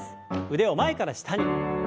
腕を前から下に。